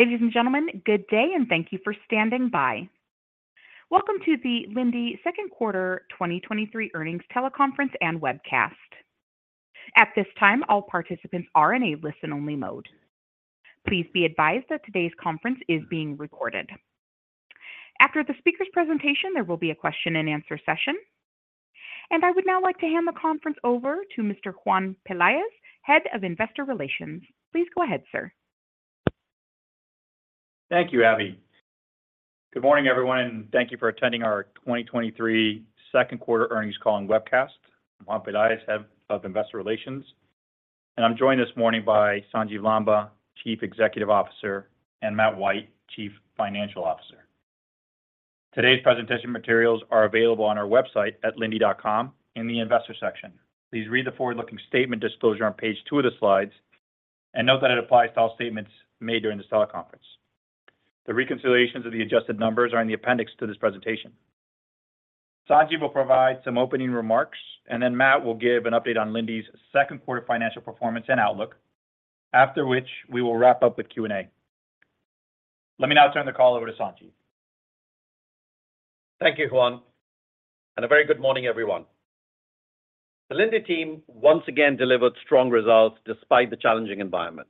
Ladies and gentlemen, good day, and thank you for standing by. Welcome to the Linde Second Quarter 2023 Earnings Teleconference and Webcast. At this time, all participants are in a listen-only mode. Please be advised that today's conference is being recorded. After the speaker's presentation, there will be a question-and-answer session. I would now like to hand the conference over to Mr. Juan Pelaez, Head of Investor Relations. Please go ahead, sir. Thank you, Abby. Good morning, everyone, thank you for attending our 2023 second quarter earnings call and webcast. I'm Juan Pelaez, Head of Investor Relations, I'm joined this morning by Sanjiv Lamba, Chief Executive Officer, and Matt White, Chief Financial Officer. Today's presentation materials are available on our website at linde.com in the Investor section. Please read the forward-looking statement disclosure on page two of the slides, note that it applies to all statements made during this teleconference. The reconciliations of the adjusted numbers are in the appendix to this presentation. Sanjiv will provide some opening remarks, Matt will give an update on Linde's second quarter financial performance and outlook. After which, we will wrap up with Q&A. Let me now turn the call over to Sanjiv. Thank you, Juan. A very good morning, everyone. The Linde team once again delivered strong results despite the challenging environment.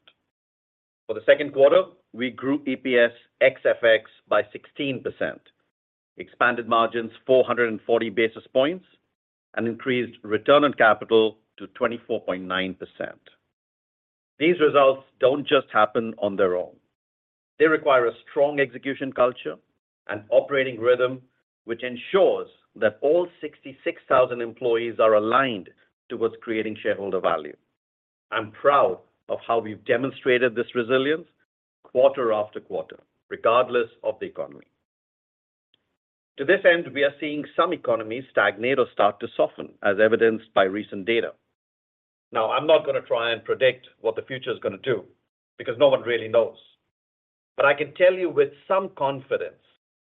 For the second quarter, we grew EPS ex FX by 16%, expanded margins 440 basis points, and increased return on capital to 24.9%. These results don't just happen on their own. They require a strong execution culture and operating rhythm, which ensures that all 66,000 employees are aligned towards creating shareholder value. I'm proud of how we've demonstrated this resilience quarter after quarter, regardless of the economy. To this end, we are seeing some economies stagnate or start to soften, as evidenced by recent data. I'm not going to try and predict what the future is going to do, because no one really knows. I can tell you with some confidence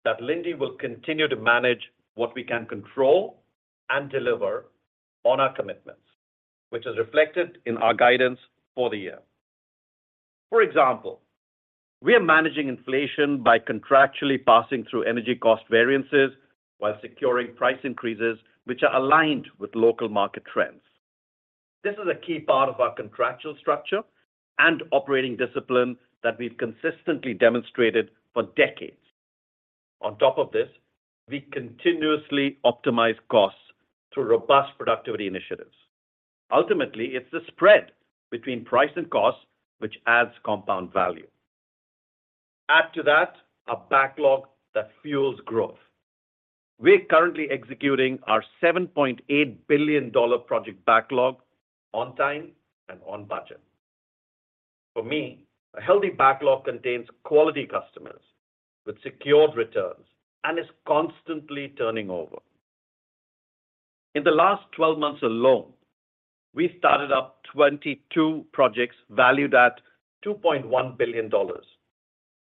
that Linde will continue to manage what we can control and deliver on our commitments, which is reflected in our guidance for the year. For example, we are managing inflation by contractually passing through energy cost variances while securing price increases, which are aligned with local market trends. This is a key part of our contractual structure and operating discipline that we've consistently demonstrated for decades. On top of this, we continuously optimize costs through robust productivity initiatives. Ultimately, it's the spread between price and cost which adds compound value. Add to that a backlog that fuels growth. We're currently executing our $7.8 billion project backlog on time and on budget. For me, a healthy backlog contains quality customers with secured returns and is constantly turning over. In the last 12 months alone, we started up 22 projects valued at $2.1 billion,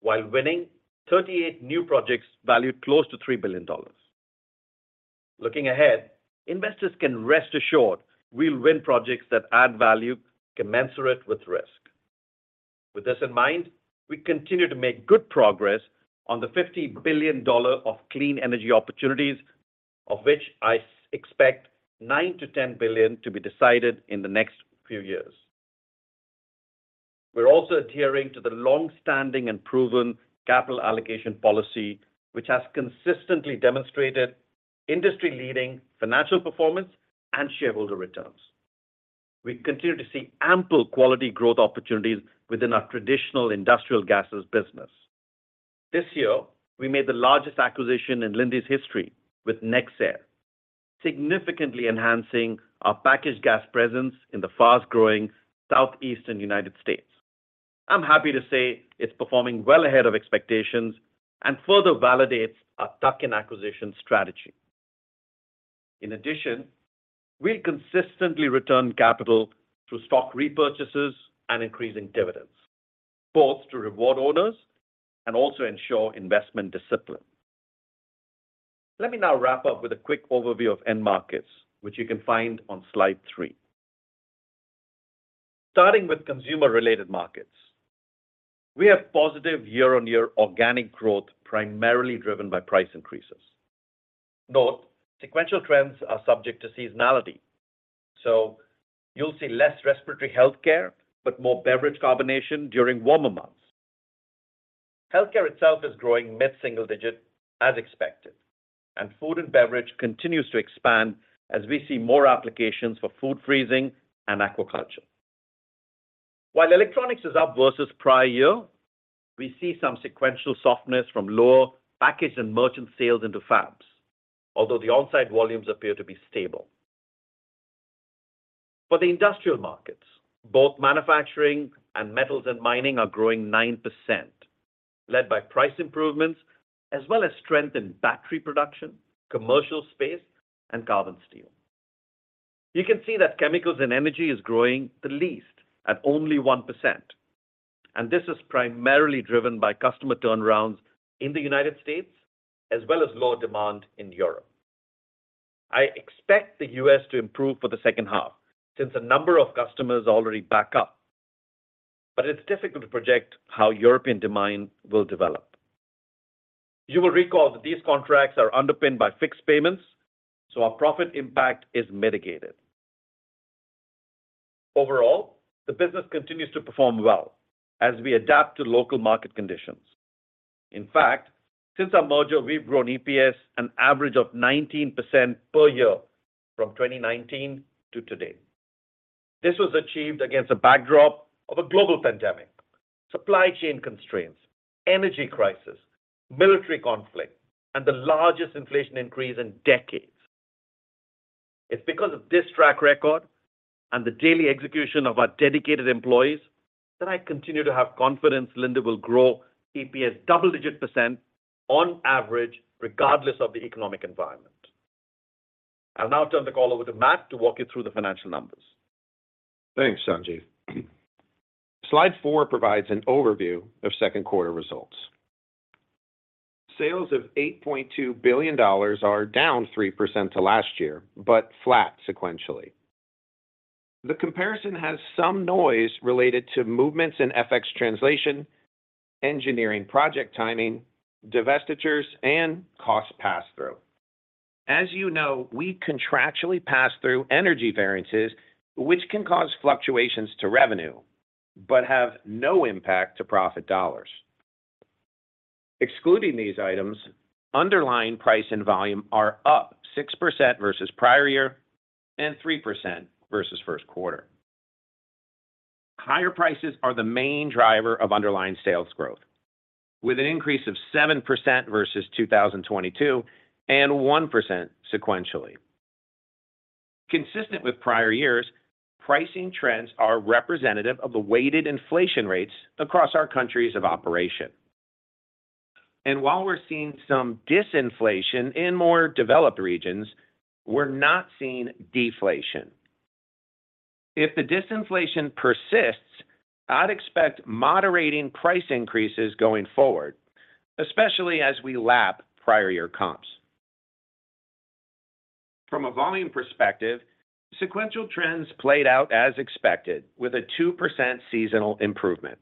while winning 38 new projects valued close to $3 billion. Looking ahead, investors can rest assured we'll win projects that add value commensurate with risk. With this in mind, we continue to make good progress on the $50 billion of clean energy opportunities, of which I expect $9 billion-$10 billion to be decided in the next few years. We're also adhering to the long-standing and proven capital allocation policy, which has consistently demonstrated industry-leading financial performance and shareholder returns. We continue to see ample quality growth opportunities within our traditional industrial gases business. This year, we made the largest acquisition in Linde's history with nexAir, significantly enhancing our packaged gas presence in the fast-growing Southeastern United States. I'm happy to say it's performing well ahead of expectations and further validates our tuck-in acquisition strategy. We consistently return capital through stock repurchases and increasing dividends, both to reward owners and also ensure investment discipline. Let me now wrap up with a quick overview of end markets, which you can find on slide 3. Starting with consumer-related markets, we have positive year-on-year organic growth, primarily driven by price increases. Note, sequential trends are subject to seasonality, so you'll see less respiratory healthcare but more beverage carbonation during warmer months. Healthcare itself is growing mid-single digit, as expected, and food and beverage continues to expand as we see more applications for food freezing and aquaculture. While electronics is up versus prior year, we see some sequential softness from lower packaged and merchant sales into fabs, although the on-site volumes appear to be stable. For the industrial markets, both manufacturing and metals and mining are growing 9%, led by price improvements as well as strength in battery production, commercial space, and carbon steel. You can see that chemicals and energy is growing the least, at only 1%. This is primarily driven by customer turnarounds in the United States as well as lower demand in Europe. I expect the U.S. to improve for the second half, since a number of customers are already back up. It's difficult to project how European demand will develop. You will recall that these contracts are underpinned by fixed payments. Our profit impact is mitigated. Overall, the business continues to perform well as we adapt to local market conditions. In fact, since our merger, we've grown EPS an average of 19% per year from 2019 to today. This was achieved against a backdrop of a global pandemic, supply chain constraints, energy crisis, military conflict, and the largest inflation increase in decades. It's because of this track record and the daily execution of our dedicated employees, that I continue to have confidence Linde will grow EPS double-digit % on average, regardless of the economic environment. I'll now turn the call over to Matt to walk you through the financial numbers. Thanks, Sanjiv. Slide 4 provides an overview of second quarter results. Sales of $8.2 billion are down 3% to last year, but flat sequentially. The comparison has some noise related to movements in FX translation, engineering project timing, divestitures, and cost passthrough. As you know, we contractually pass through energy variances, which can cause fluctuations to revenue, but have no impact to profit dollars. Excluding these items, underlying price and volume are up 6% versus prior year and 3% versus first quarter. Higher prices are the main driver of underlying sales growth, with an increase of 7% versus 2022 and 1% sequentially. Consistent with prior years, pricing trends are representative of the weighted inflation rates across our countries of operation. While we're seeing some disinflation in more developed regions, we're not seeing deflation. If the disinflation persists, I'd expect moderating price increases going forward, especially as we lap prior year comps. From a volume perspective, sequential trends played out as expected, with a 2% seasonal improvement,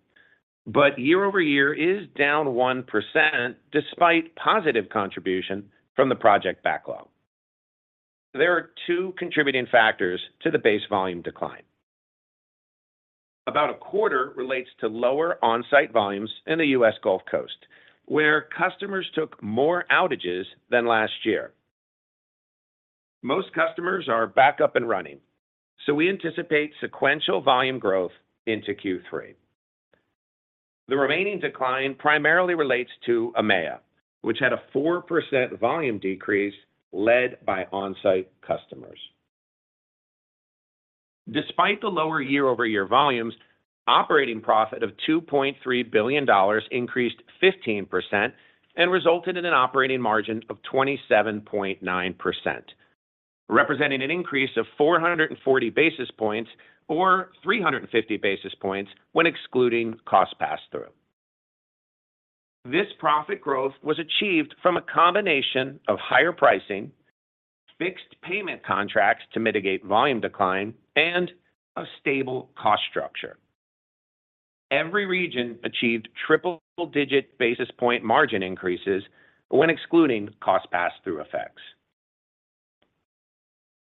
year-over-year is down 1%, despite positive contribution from the project backlog. There are 2 contributing factors to the base volume decline. About a quarter relates to lower on-site volumes in the US Gulf Coast, where customers took more outages than last year. Most customers are back up and running, we anticipate sequential volume growth into Q3. The remaining decline primarily relates to EMEA, which had a 4% volume decrease led by on-site customers. Despite the lower year-over-year volumes, operating profit of $2.3 billion increased 15% and resulted in an operating margin of 27.9%, representing an increase of 440 basis points or 350 basis points when excluding cost passthrough. This profit growth was achieved from a combination of higher pricing, fixed payment contracts to mitigate volume decline, and a stable cost structure. Every region achieved triple-digit basis point margin increases when excluding cost passthrough effects.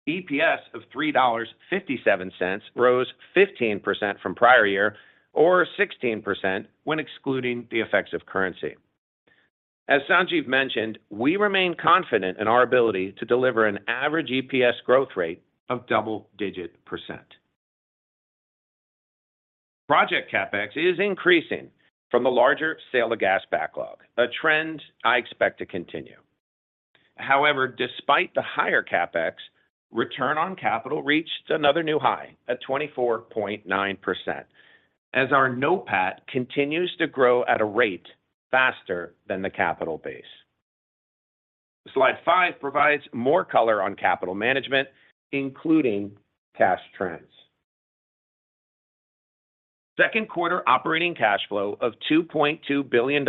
EPS of $3.57 rose 15% from prior year, or 16% when excluding the effects of currency. As Sanjiv mentioned, we remain confident in our ability to deliver an average EPS growth rate of double-digit percent. Project CapEx is increasing from the larger sale of gas backlog, a trend I expect to continue. However, despite the higher CapEx, return on capital reached another new high at 24.9%, as our NOPAT continues to grow at a rate faster than the capital base. Slide 5 provides more color on capital management, including cash trends. Second quarter operating cash flow of $2.2 billion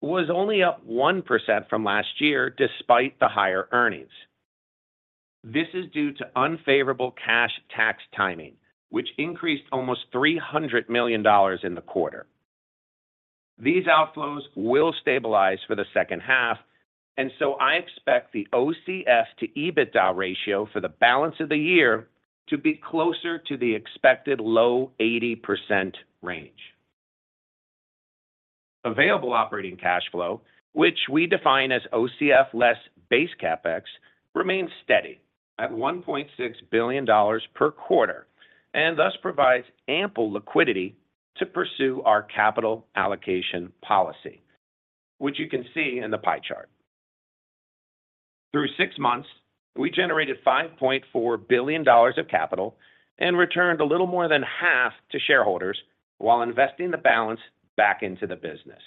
was only up 1% from last year, despite the higher earnings. This is due to unfavorable cash tax timing, which increased almost $300 million in the quarter. These outflows will stabilize for the second half. I expect the OCF to EBITDA ratio for the balance of the year to be closer to the expected low 80% range. Available operating cash flow, which we define as OCF less base CapEx, remains steady at $1.6 billion per quarter, and thus provides ample liquidity to pursue our capital allocation policy, which you can see in the pie chart. Through six months, we generated $5.4 billion of capital and returned a little more than half to shareholders while investing the balance back into the business.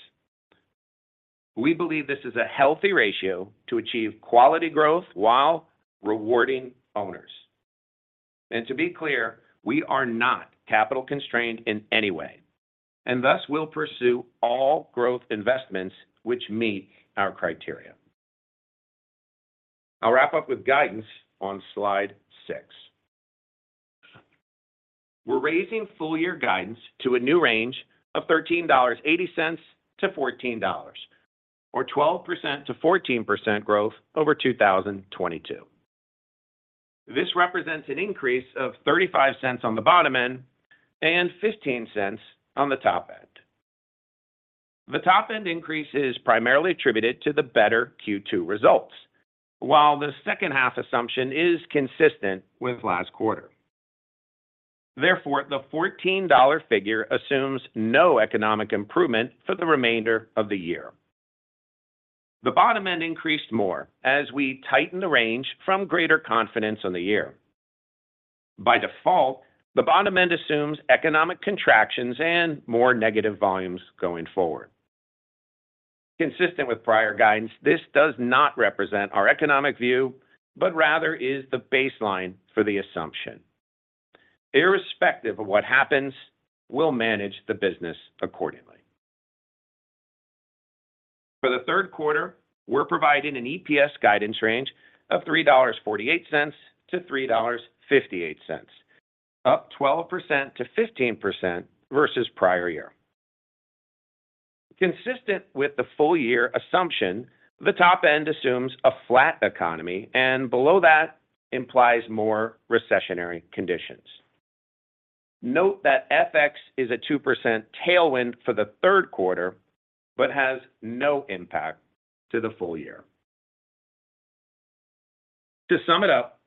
We believe this is a healthy ratio to achieve quality growth while rewarding owners. To be clear, we are not capital constrained in any way, and thus we'll pursue all growth investments which meet our criteria. I'll wrap up with guidance on slide six. We're raising full year guidance to a new range of $13.80-$14.00, or 12%-14% growth over 2022. This represents an increase of $0.35 on the bottom end and $0.15 on the top end. The top end increase is primarily attributed to the better Q2 results, while the second half assumption is consistent with last quarter. The $14 figure assumes no economic improvement for the remainder of the year. The bottom end increased more as we tighten the range from greater confidence on the year. By default, the bottom end assumes economic contractions and more negative volumes going forward. Consistent with prior guidance, this does not represent our economic view, but rather is the baseline for the assumption. Irrespective of what happens, we'll manage the business accordingly. For the third quarter, we're providing an EPS guidance range of $3.48-$3.58, up 12%-15% versus prior year. Consistent with the full year assumption, the top end assumes a flat economy, and below that implies more recessionary conditions. Note that FX is a 2% tailwind for the third quarter, but has no impact to the full year. To sum it up,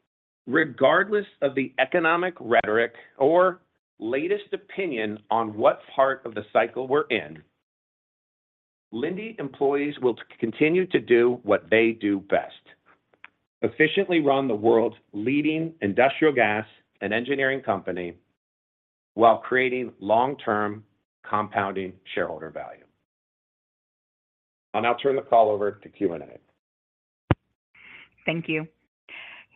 regardless of the economic rhetoric or latest opinion on what part of the cycle we're in, Linde employees will continue to do what they do best: efficiently run the world's leading industrial gas and engineering company while creating long-term compounding shareholder value. I'll now turn the call over to Q&A. Thank you.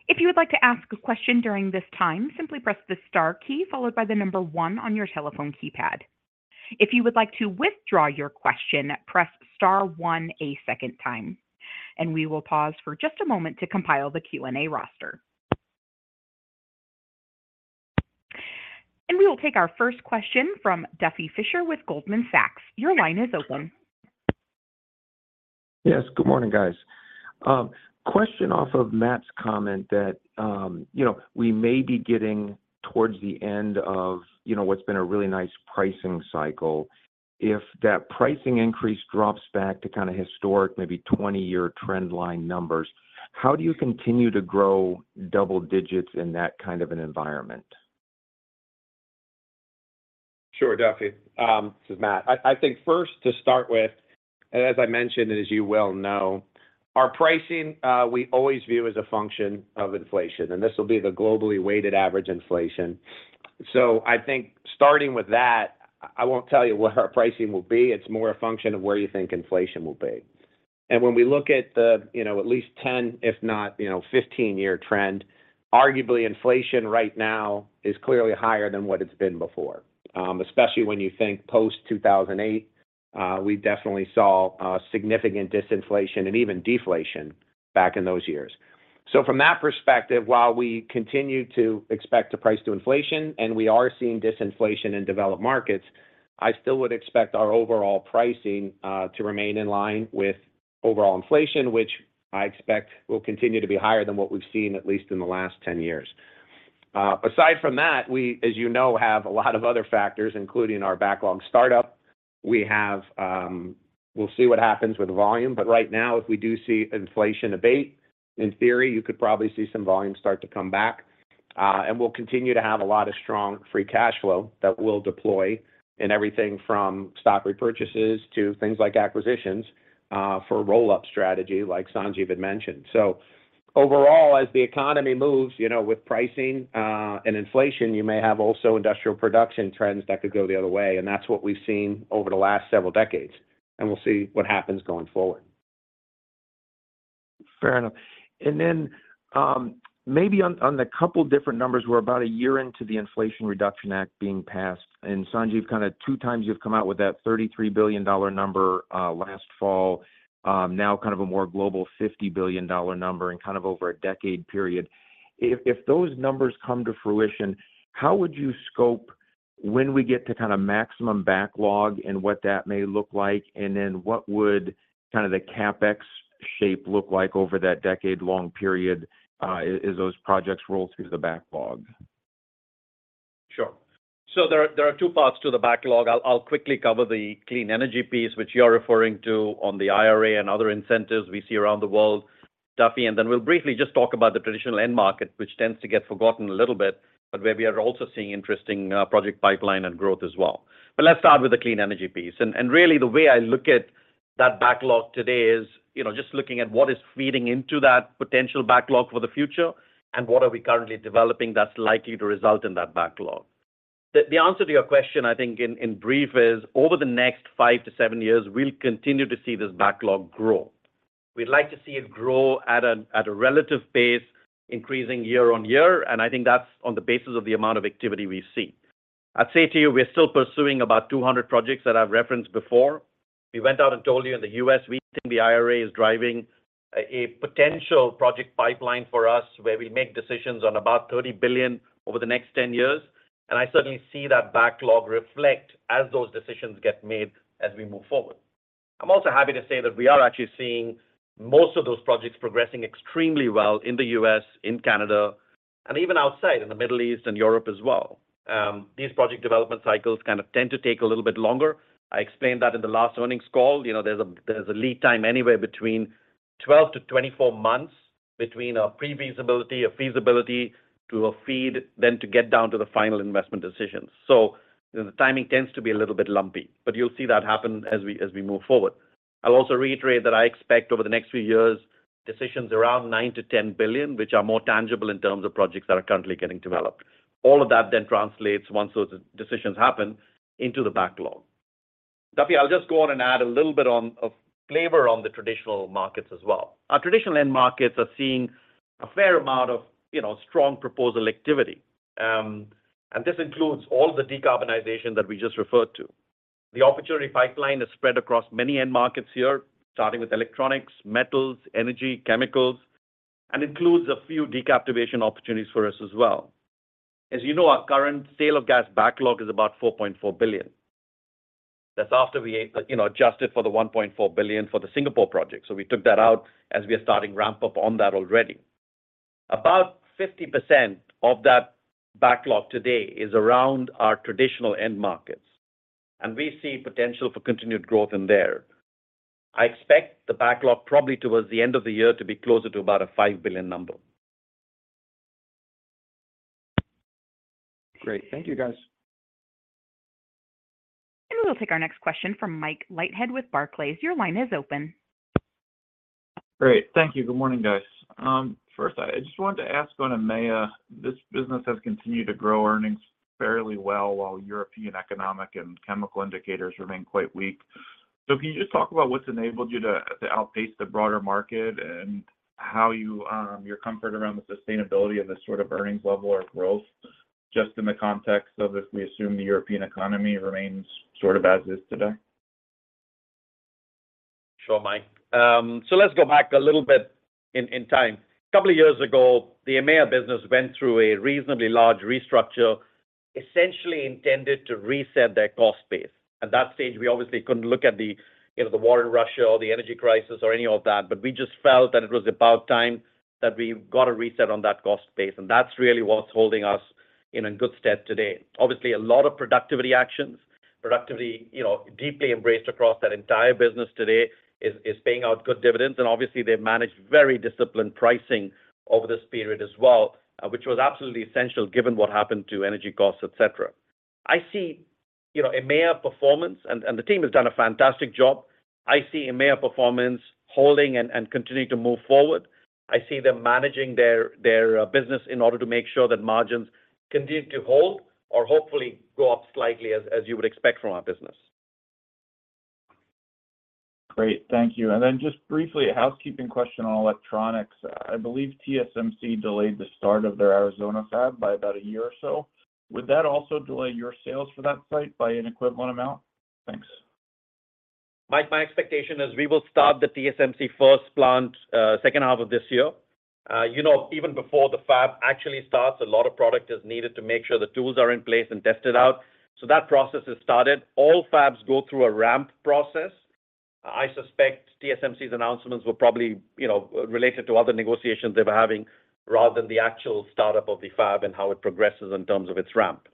If you would like to ask a question during this time, simply press the star key, followed by the number one on your telephone keypad. If you would like to withdraw your question, press star one a second time, and we will pause for just a moment to compile the Q&A roster. We will take our first question from Duffy Fischer with Goldman Sachs. Your line is open. Yes, good morning, guys. Question off of Matt's comment that, you know, we may be getting towards the end of, you know, what's been a really nice pricing cycle. If that pricing increase drops back to kind of historic, maybe 20-year trend line numbers, how do you continue to grow double-digits in that kind of an environment? Sure, Duffy, this is Matt. I think first to start with, and as I mentioned, and as you well know, our pricing, we always view as a function of inflation, and this will be the globally weighted average inflation. I think starting with that, I won't tell you what our pricing will be. It's more a function of where you think inflation will be. When we look at the, you know, at least 10, if not, you know, 15-year trend, arguably inflation right now is clearly higher than what it's been before. Especially when you think post 2008, we definitely saw a significant disinflation and even deflation back in those years. From that perspective, while we continue to expect to price to inflation and we are seeing disinflation in developed markets, I still would expect our overall pricing to remain in line with overall inflation, which I expect will continue to be higher than what we've seen, at least in the last 10 years. Aside from that, we, as you know, have a lot of other factors, including our backlog startup. We have, we'll see what happens with volume, but right now, if we do see inflation abate, in theory, you could probably see some volume start to come back. We'll continue to have a lot of strong free cash flow that we'll deploy in everything from stock repurchases to things like acquisitions for a roll-up strategy, like Sanjiv had mentioned. Overall, as the economy moves, you know, with pricing, and inflation, you may have also industrial production trends that could go the other way, and that's what we've seen over the last several decades, and we'll see what happens going forward. Fair enough. Then, maybe on a couple of different numbers, we're about a year into the Inflation Reduction Act being passed, Sanjiv, kind of two times you've come out with that $33 billion number last fall, now kind of a more global $50 billion number and kind of over a decade period. If those numbers come to fruition, how would you scope when we get to kind of maximum backlog and what that may look like? Then what would kind of the CapEx shape look like over that decade-long period as those projects roll through the backlog? Sure. There are 2 parts to the backlog. I'll quickly cover the clean energy piece, which you're referring to on the IRA and other incentives we see around the world, Duffy, and then we'll briefly just talk about the traditional end market, which tends to get forgotten a little bit, but where we are also seeing interesting project pipeline and growth as well. Let's start with the clean energy piece. Really, the way I look at that backlog today is, you know, just looking at what is feeding into that potential backlog for the future and what are we currently developing that's likely to result in that backlog. The answer to your question, I think in brief, is over the next 5-7 years, we'll continue to see this backlog grow. We'd like to see it grow at a relative pace, increasing year-on-year, and I think that's on the basis of the amount of activity we see. I'd say to you, we're still pursuing about 200 projects that I've referenced before. We went out and told you in the US, we think the IRA is driving a potential project pipeline for us, where we make decisions on about $30 billion over the next 10 years. I certainly see that backlog reflect as those decisions get made as we move forward. I'm also happy to say that we are actually seeing most of those projects progressing extremely well in the US, in Canada, and even outside, in the Middle East and Europe as well. These project development cycles kind of tend to take a little bit longer. I explained that in the last earnings call. You know, there's a lead time anywhere between 12-24 months between a pre-feasibility, a feasibility, to a FEED, then to get down to the final investment decisions. The timing tends to be a little bit lumpy, but you'll see that happen as we move forward. I'll also reiterate that I expect over the next few years, decisions around $9 billion-$10 billion, which are more tangible in terms of projects that are currently getting developed. All of that translates, once those decisions happen, into the backlog. Duffy, I'll just go on and add a little bit of flavor on the traditional markets as well. Our traditional end markets are seeing a fair amount of, you know, strong proposal activity, and this includes all the decarbonization that we just referred to. The opportunity pipeline is spread across many end markets here, starting with electronics, metals, energy, chemicals, and includes a few decaptivation opportunities for us as well. As you know, our current sale of gas backlog is about $4.4 billion. That's after we, you know, adjusted for the $1.4 billion for the Singapore project. We took that out as we are starting ramp up on that already. About 50% of that backlog today is around our traditional end markets, and we see potential for continued growth in there. I expect the backlog probably towards the end of the year, to be closer to about a $5 billion number. Great. Thank you, guys. We'll take our next question from Michael Leithead with Barclays. Your line is open. Great. Thank you. Good morning, guys. First I just wanted to ask on EMEA, this business has continued to grow earnings fairly well, while European economic and chemical indicators remain quite weak. Can you just talk about what's enabled you to, to outpace the broader market and how you, you're comfort around the sustainability of this sort of earnings level or growth, just in the context of if we assume the European economy remains sort of as is today? Sure, Mike. Let's go back a little bit in, in time. A couple of years ago, the EMEA business went through a reasonably large restructure, essentially intended to reset their cost base. At that stage, we obviously couldn't look at the, you know, the war in Russia or the energy crisis or any of that, but we just felt that it was about time that we got a reset on that cost base. That's really what's holding us in a good stead today. Obviously, a lot of productivity actions. Productivity, you know, deeply embraced across that entire business today is, is paying out good dividends, and obviously they've managed very disciplined pricing over this period as well, which was absolutely essential, given what happened to energy costs, et cetera. I see, you know, EMEA performance, and the team has done a fantastic job. I see EMEA performance holding and continuing to move forward. I see them managing their business in order to make sure that margins continue to hold or hopefully go up slightly, as you would expect from our business. Great. Thank you. Just briefly, a housekeeping question on electronics. I believe TSMC delayed the start of their Arizona fab by about a year or so. Would that also delay your sales for that site by an equivalent amount? Thanks. Mike, my expectation is we will start the TSMC first plant, second half of this year. You know, even before the fab actually starts, a lot of product is needed to make sure the tools are in place and tested out. That process has started. All fabs go through a ramp process. I suspect TSMC's announcements were probably, you know, related to other negotiations they were having, rather than the actual startup of the fab and how it progresses in terms of its ramp.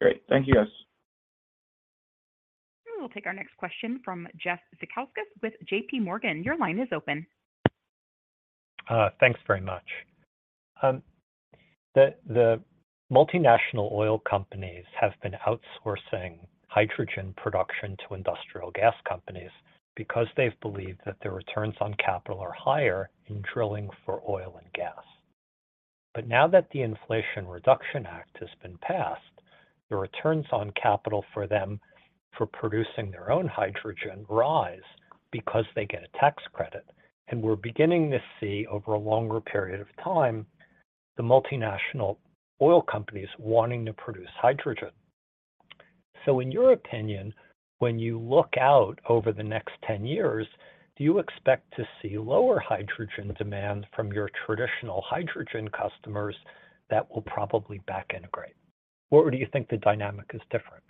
Great. Thank you, guys. We'll take our next question from Jeffrey Zekauskas with JPMorgan. Your line is open. Thanks very much. The multinational oil companies have been outsourcing hydrogen production to industrial gas companies because they've believed that their returns on capital are higher in drilling for oil and gas. Now that the Inflation Reduction Act has been passed, the returns on capital for them for producing their own hydrogen rise because they get a tax credit. We're beginning to see, over a longer period of time, the multinational oil companies wanting to produce hydrogen. In your opinion, when you look out over the next 10 years, do you expect to see lower hydrogen demand from your traditional hydrogen customers that will probably back integrate, or do you think the dynamic is different?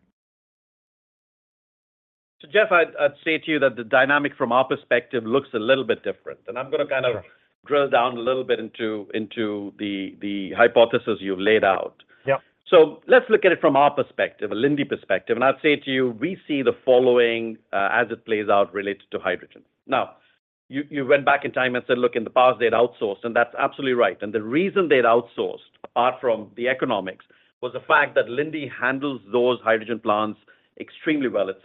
Jeff, I'd, I'd say to you that the dynamic from our perspective looks a little bit different. Sure drill down a little bit into, into the, the hypothesis you've laid out. Yeah. Let's look at it from our perspective, a Linde perspective, I'd say to you, we see the following as it plays out related to hydrogen. You went back in time and said, look, in the past, they'd outsourced, and that's absolutely right. The reason they'd outsourced, apart from the economics, was the fact that Linde handles those hydrogen plants extremely well. It's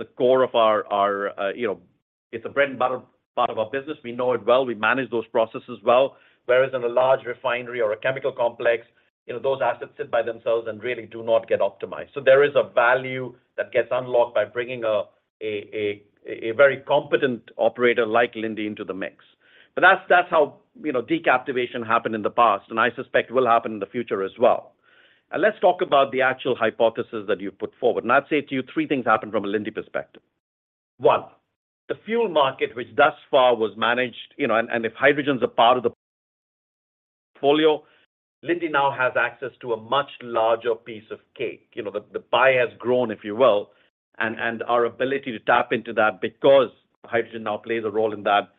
a bread and butter part of our business. We know it well. We manage those processes well. In a large refinery or a chemical complex, you know, those assets sit by themselves and really do not get optimized. There is a value that gets unlocked by bringing a very competent operator like Linde into the mix. That's how, you know, decaptivation happened in the past, and I suspect will happen in the future as well. Let's talk about the actual hypothesis that you put forward. I'd say to you, three things happened from a Linde perspective. One, the fuel market, which thus far was managed, you know, and if hydrogen is a part of the portfolio, Linde now has access to a much larger piece of cake. You know, the pie has grown, if you will, and our ability to tap into that because hydrogen now plays a role in that,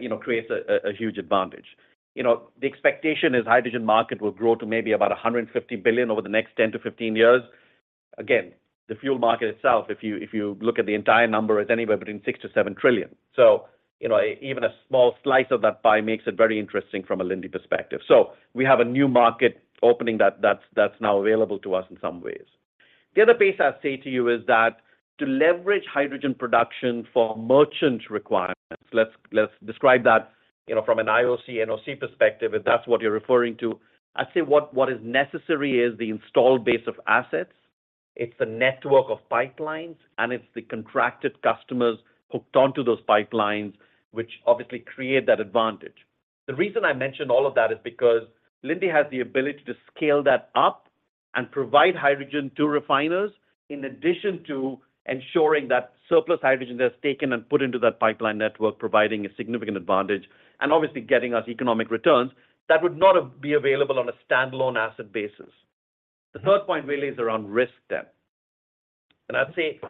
you know, creates a huge advantage. You know, the expectation is hydrogen market will grow to maybe about $150 billion over the next 10-15 years. Again, the fuel market itself, if you, if you look at the entire number, is anywhere between $6 trillion-$7 trillion. You know, even a small slice of that pie makes it very interesting from a Linde perspective. We have a new market opening that, that's, that's now available to us in some ways. The other piece I'd say to you is that to leverage hydrogen production for merchant requirements, let's, let's describe that, you know, from an IOC, NOC perspective, if that's what you're referring to. I'd say what, what is necessary is the installed base of assets. It's a network of pipelines, and it's the contracted customers hooked onto those pipelines, which obviously create that advantage. The reason I mention all of that is because Linde has the ability to scale that up and provide hydrogen to refiners, in addition to ensuring that surplus hydrogen is taken and put into that pipeline network, providing a significant advantage and obviously getting us economic returns that would not have been available on a standalone asset basis. The third point really is around risk then. I'd say,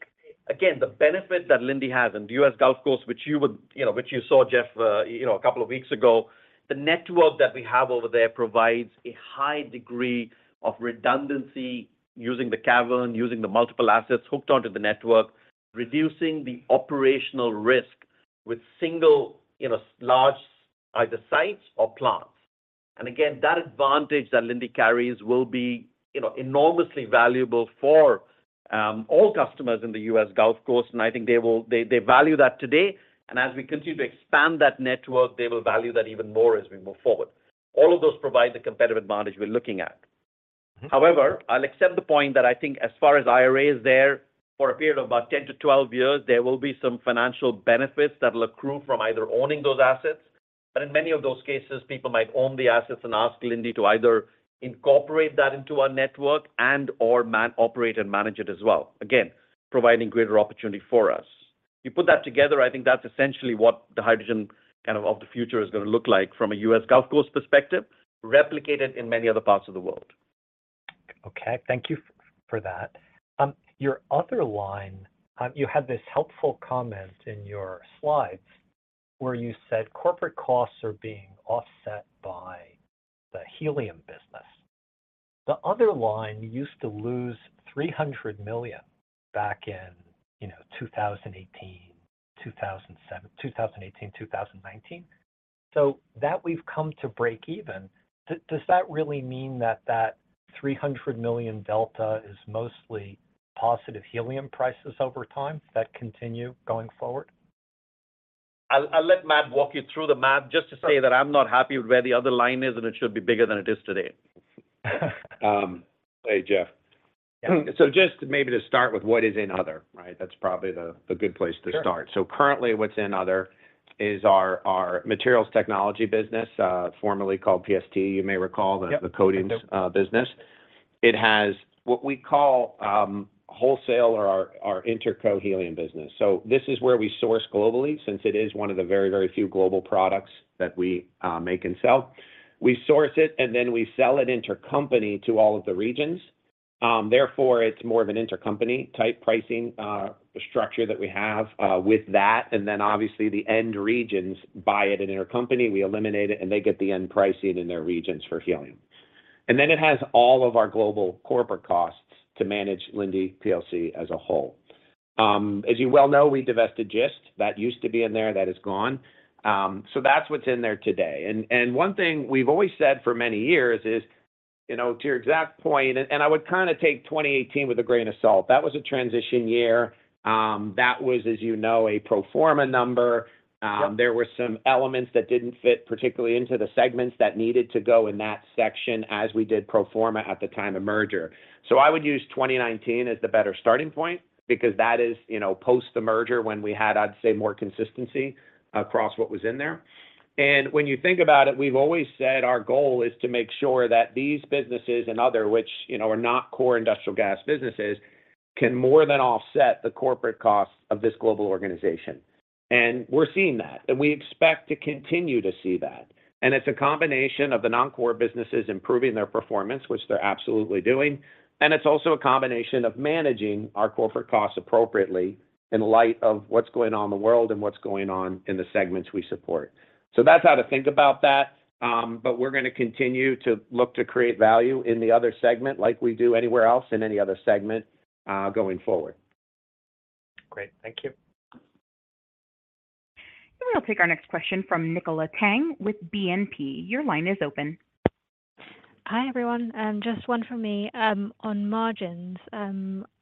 again, the benefit that Linde has in the US Gulf Coast, which you would, you know, which you saw, Jeff, you know, a couple of weeks ago. The network that we have over there provides a high degree of redundancy, using the cavern, using the multiple assets hooked onto the network, reducing the operational risk with single, you know, large, either sites or plants. That advantage that Linde carries will be, you know, enormously valuable for all customers in the US Gulf Coast. I think they will, they value that today. As we continue to expand that network, they will value that even more as we move forward. All of those provide the competitive advantage we're looking at. However, I'll accept the point that I think as far as IRA is there, for a period of about 10-12 years, there will be some financial benefits that will accrue from either owning those assets. In many of those cases, people might own the assets and ask Linde to either incorporate that into our network and/or operate and manage it as well. Providing greater opportunity for us. You put that together, I think that's essentially what the hydrogen kind of of the future is going to look like from a US Gulf Coast perspective, replicated in many other parts of the world. Okay, thank you for that. Your other line, you had this helpful comment in your slides where you said corporate costs are being offset by the helium business. The other line, you used to lose $300 million back in, you know, 2018, 2007, 2018, 2019. That we've come to break even, does that really mean that that $300 million delta is mostly positive helium prices over time that continue going forward? I'll let Matt walk you through the math, just to say that I'm not happy with where the other line is, it should be bigger than it is today. Hey, Jeff. Yeah. Just maybe to start with what is in other, right? That's probably the good place to start. Sure. Currently, what's in other is our materials technology business, formerly called PST. Yep the coatings business. It has what we call wholesale or our interco helium business. This is where we source globally, since it is one of the very, very few global products that we make and sell. We source it, and then we sell it intercompany to all of the regions. Therefore, it's more of an intercompany type pricing structure that we have with that. Obviously, the end regions buy it in intercompany, we eliminate it, and they get the end pricing in their regions for helium. It has all of our global corporate costs to manage Linde plc as a whole. As you well know, we divested Gist. That used to be in there. That is gone. That's what's in there today. One thing we've always said for many years is, you know, to your exact point, I would kind of take 2018 with a grain of salt. That was a transition year. That was, as you know, a pro forma number. Yep. There were some elements that didn't fit particularly into the segments that needed to go in that section as we did pro forma at the time of merger. I would use 2019 as the better starting point because that is, you know, post the merger when we had, I'd say, more consistency across what was in there. When you think about it, we've always said our goal is to make sure that these businesses and other, which you know, are not core industrial gas businesses, can more than offset the corporate costs of this global organization. We're seeing that, and we expect to continue to see that. It's a combination of the non-core businesses improving their performance, which they're absolutely doing. It's also a combination of managing our corporate costs appropriately in light of what's going on in the world and what's going on in the segments we support. That's how to think about that. We're going to continue to look to create value in the other segment like we do anywhere else, in any other segment, going forward. Great. Thank you. We'll take our next question from Nicola Tang with BNP. Your line is open. Hi, everyone. Just one from me on margins. I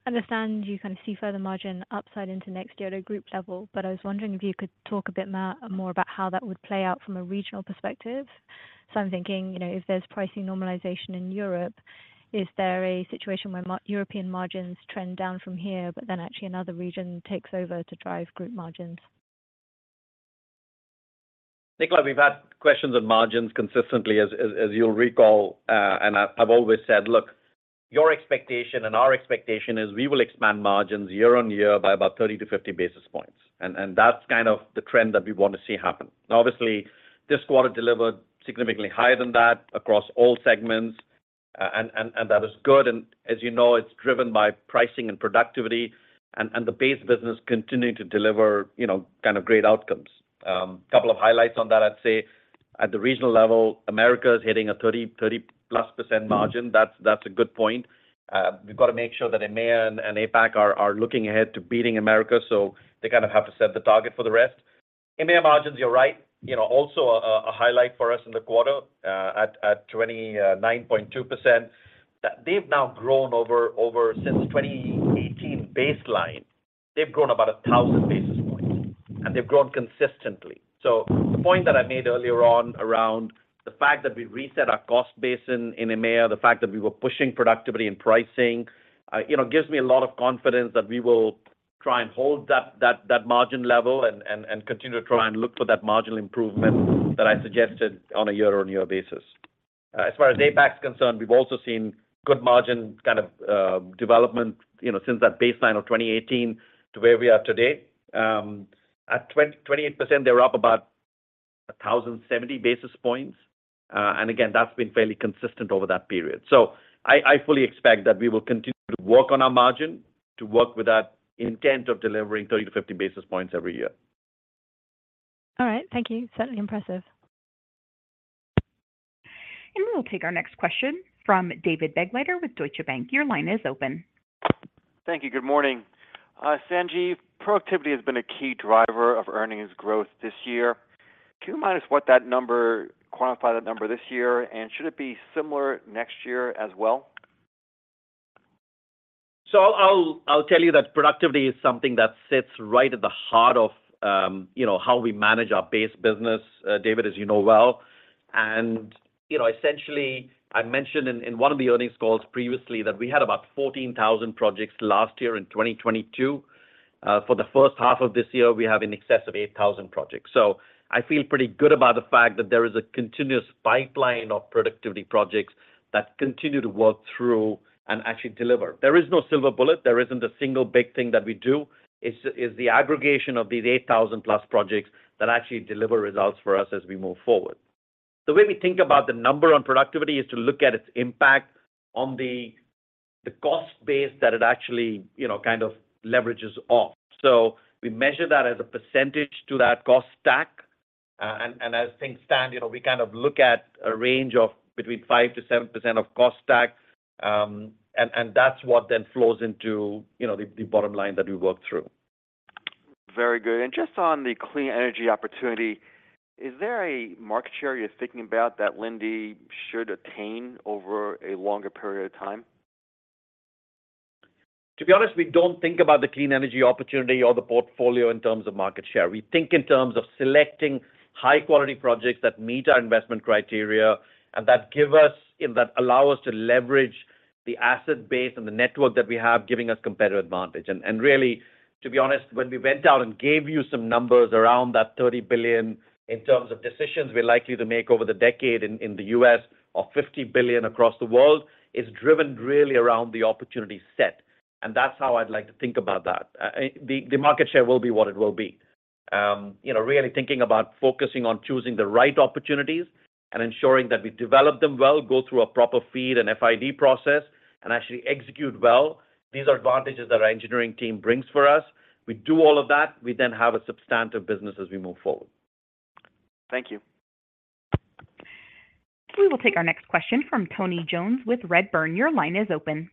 understand you kind of see further margin upside into next year at a group level, but I was wondering if you could talk a bit more about how that would play out from a regional perspective. I'm thinking, you know, if there's pricing normalization in Europe, is there a situation where European margins trend down from here, but then actually another region takes over to drive group margins? Nicola, we've had questions on margins consistently, as you'll recall, I've always said, "Look, your expectation and our expectation is we will expand margins year-over-year by about 30-50 basis points." That's kind of the trend that we want to see happen. This quarter delivered significantly higher than that across all segments, that is good, as you know, it's driven by pricing and productivity and the base business continuing to deliver, you know, kind of great outcomes. Couple of highlights on that, I'd say at the regional level, Americas is hitting a 30, 30-plus % margin. That's a good point. We've got to make sure that EMEA and APAC are looking ahead to beating Americas, so they kind of have to set the target for the rest. EMEA margins, you're right, you know, also a highlight for us in the quarter, at 29.2%. They've now grown since the 2018 baseline, they've grown about 1,000 basis points, and they've grown consistently. The point that I made earlier on around the fact that we reset our cost base in EMEA, the fact that we were pushing productivity and pricing, you know, gives me a lot of confidence that we will try and hold that margin level and continue to try and look for that marginal improvement that I suggested on a year-on-year basis. As far as APAC is concerned, we've also seen good margin kind of development, you know, since that baseline of 2018 to where we are today. At 28%, they were up about 1,070 basis points, and again, that's been fairly consistent over that period. I, I fully expect that we will continue to work on our margin, to work with that intent of delivering 30-50 basis points every year. All right. Thank you. Certainly impressive. We'll take our next question from David Begleiter with Deutsche Bank. Your line is open. Thank you. Good morning. Sanjiv, productivity has been a key driver of earnings growth this year. Can you remind us quantify that number this year, and should it be similar next year as well? I'll tell you that productivity is something that sits right at the heart of, you know, how we manage our base business, David, as you know well, and, you know, essentially, I mentioned in one of the earnings calls previously that we had about 14,000 projects last year in 2022. For the first half of this year, we have in excess of 8,000 projects. I feel pretty good about the fact that there is a continuous pipeline of productivity projects that continue to work through and actually deliver. There is no silver bullet. There isn't a single big thing that we do. It's the aggregation of these 8,000 plus projects that actually deliver results for us as we move forward. The way we think about the number on productivity is to look at its impact on the cost base that it actually, you know, kind of leverages off. We measure that as a percentage to that cost stack. As things stand, you know, we kind of look at a range of between 5% to 7% of cost stack. That's what then flows into, you know, the bottom line that we work through. Very good. Just on the clean energy opportunity, is there a market share you're thinking about that Linde should attain over a longer period of time? To be honest, we don't think about the clean energy opportunity or the portfolio in terms of market share. We think in terms of selecting high-quality projects that meet our investment criteria and that allow us to leverage the asset base and the network that we have, giving us competitive advantage. Really, to be honest, when we went out and gave you some numbers around that $30 billion in terms of decisions we're likely to make over the decade in the U.S. or $50 billion across the world, it's driven really around the opportunity set, and that's how I'd like to think about that. The market share will be what it will be. You know, really thinking about focusing on choosing the right opportunities and ensuring that we develop them well, go through a proper FEED and FID process, actually execute well, these are advantages that our engineering team brings for us. We do all of that, we have a substantive business as we move forward. Thank you. We will take our next question from Tony Jones with Redburn. Your line is open.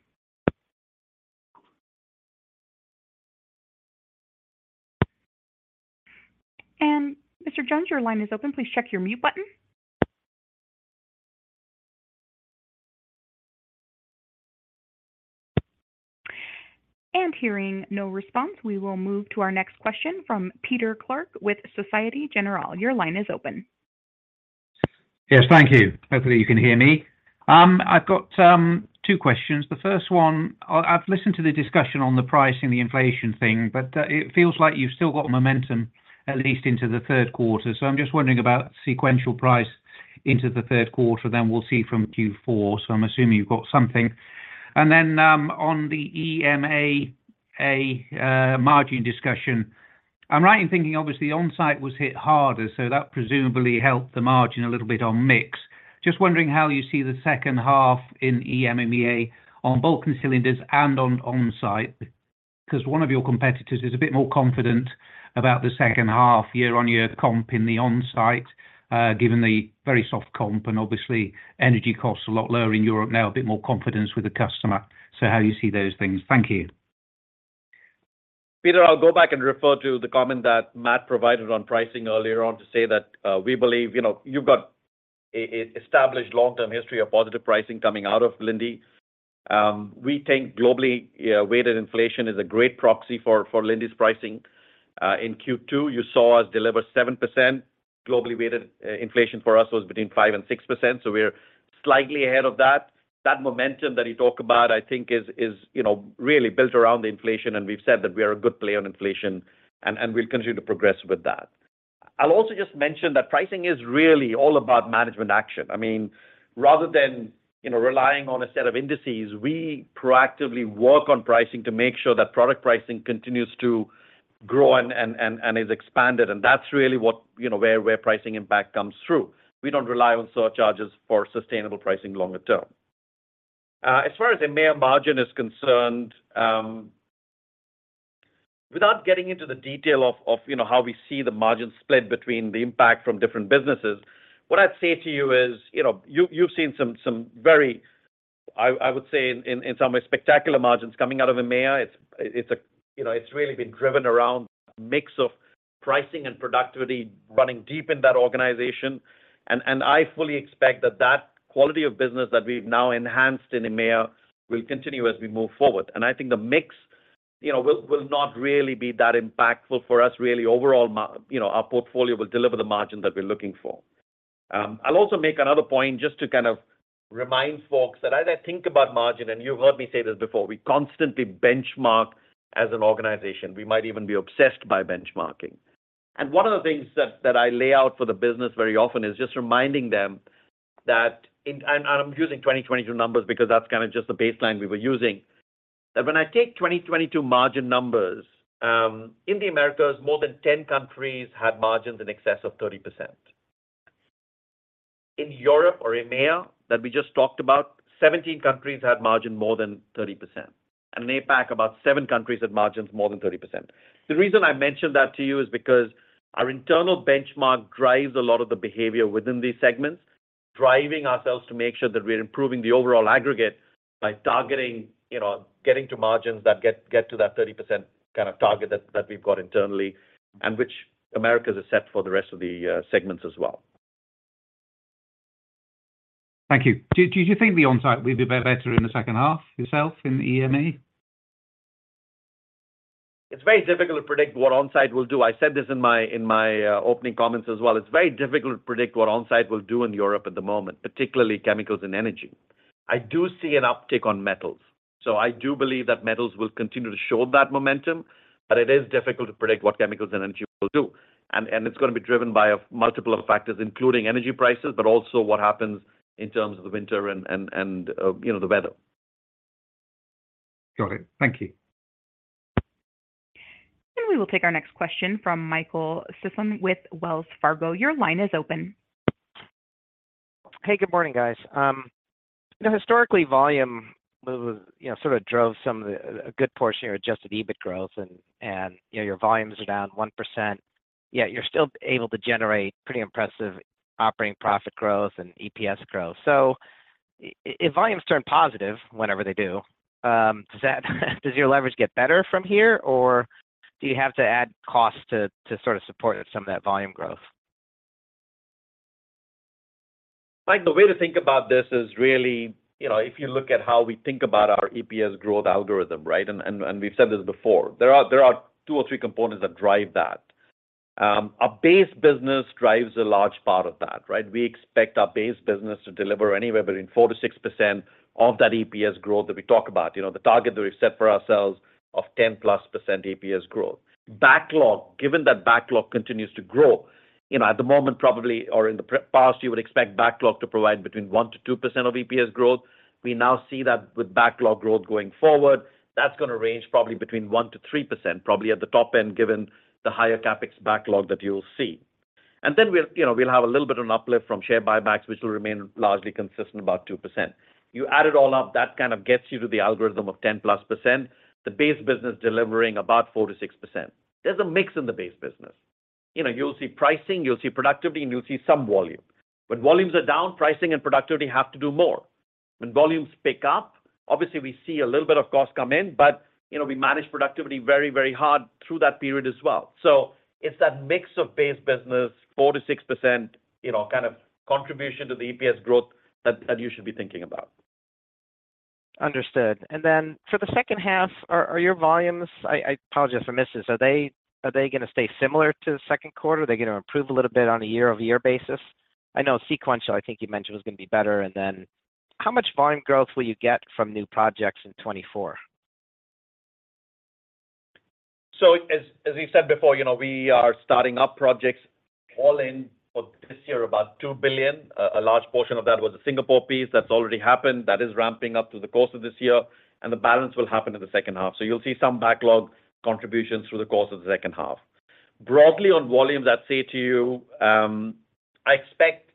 Mr. Jones, your line is open, please check your mute button. Hearing no response, we will move to our next question from Peter Clark with Socie``te`Generale. Your line is open. Yes, thank you. Hopefully you can hear me. I've got two questions. The first one, I've listened to the discussion on the pricing, the inflation thing, it feels like you've still got momentum at least into the third quarter. I'm just wondering about sequential price into the third quarter, then we'll see from Q4. I'm assuming you've got something. Then on the EMEA margin discussion, I'm right in thinking obviously onsite was hit harder, so that presumably helped the margin a little bit on mix. Just wondering how you see the second half in EMEA on bulk and cylinders and on onsite, because one of your competitors is a bit more confident about the second half year-on-year comp in the onsite, given the very soft comp and obviously energy costs a lot lower in Europe now, a bit more confidence with the customer. How you see those things? Thank you. Peter, I'll go back and refer to the comment that Matt provided on pricing earlier on to say that we believe, you know, you've got a established long-term history of positive pricing coming out of Linde. We think globally weighted inflation is a great proxy for Linde's pricing. In Q2, you saw us deliver 7%. Globally weighted inflation for us was between 5%-6%, so we're slightly ahead of that. That momentum that you talk about, I think is, you know, really built around the inflation, and we've said that we are a good play on inflation and we'll continue to progress with that. I'll also just mention that pricing is really all about management action. I mean, rather than, you know, relying on a set of indices, we proactively work on pricing to make sure that product pricing continues to grow and is expanded, and that's really what, you know, where pricing impact comes through. We don't rely on surcharges for sustainable pricing longer term. As far as EMEA margin is concerned, without getting into the detail of, you know, how we see the margin split between the impact from different businesses, what I'd say to you is, you know, you've seen some, some very, I would say, in some ways, spectacular margins coming out of EMEA. It's a, you know, it's really been driven around a mix of pricing and productivity running deep in that organization. I fully expect that that quality of business that we've now enhanced in EMEA will continue as we move forward. I think the mix, you know, will not really be that impactful for us really overall. you know, our portfolio will deliver the margin that we're looking for. I'll also make another point, just to kind of remind folks, that as I think about margin, and you've heard me say this before, we constantly benchmark as an organization. We might even be obsessed by benchmarking. One of the things that I lay out for the business very often is just reminding them that in. I'm using 2022 numbers, because that's kind of just the baseline we were using. When I take 2022 margin numbers, in the Americas, more than 10 countries had margins in excess of 30%. In Europe or EMEA, that we just talked about, 17 countries had margin more than 30%, and in APAC, about 7 countries had margins more than 30%. The reason I mention that to you is because our internal benchmark drives a lot of the behavior within these segments, driving ourselves to make sure that we're improving the overall aggregate by targeting, you know, getting to margins that get to that 30% kind of target that we've got internally, and which Americas is set for the rest of the segments as well. Thank you. Do you think the onsite will be better in the second half yourself in the EMEA? It's very difficult to predict what onsite will do. I said this in my opening comments as well. It's very difficult to predict what onsite will do in Europe at the moment, particularly chemicals and energy. I do see an uptick on metals, so I do believe that metals will continue to show that momentum, but it is difficult to predict what chemicals and energy will do. It's going to be driven by a multiple of factors, including energy prices, but also what happens in terms of the winter and, you know, the weather. Got it. Thank you. We will take our next question from Michael Sison with Wells Fargo. Your line is open. Hey, good morning, guys. you know, historically, volume you know, sort of drove some of the, a good portion of your adjusted EBIT growth and, you know, your volumes are down 1%, yet you're still able to generate pretty impressive operating profit growth and EPS growth. If volumes turn positive, whenever they do, does your leverage get better from here, or do you have to add costs to sort of support some of that volume growth? Mike, the way to think about this is really, you know, if you look at how we think about our EPS growth algorithm, right? We've said this before, there are two or three components that drive that. Our base business drives a large part of that, right? We expect our base business to deliver anywhere between 4%-6% of that EPS growth that we talk about. You know, the target that we've set for ourselves of 10+% EPS growth. Backlog, given that backlog continues to grow, you know, at the moment, probably, or in the past, you would expect backlog to provide between 1%-2% of EPS growth. We now see that with backlog growth going forward, that's gonna range probably between 1%-3%, probably at the top end, given the higher CapEx backlog that you will see. We'll, you know, we'll have a little bit of an uplift from share buybacks, which will remain largely consistent, about 2%. You add it all up, that kind of gets you to the algorithm of 10+%. The base business delivering about 4%-6%. There's a mix in the base business. You know, you'll see pricing, you'll see productivity, and you'll see some volume. When volumes are down, pricing and productivity have to do more. When volumes pick up, obviously we see a little bit of cost come in, but, you know, we manage productivity very, very hard through that period as well. It's that mix of base business, 4%-6%, you know, kind of contribution to the EPS growth that, that you should be thinking about. Understood. Then for the second half, are your volumes. I apologize if I missed this. Are they gonna stay similar to the second quarter? Are they gonna improve a little bit on a year-over-year basis? I know sequential, I think you mentioned, was going to be better. Then how much volume growth will you get from new projects in 2024? As we said before, you know, we are starting up projects all in for this year, about $2 billion. A large portion of that was the Singapore piece. That's already happened. That is ramping up through the course of this year, and the balance will happen in the second half. You'll see some backlog contributions through the course of the second half. Broadly on volumes, I'd say to you, I expect.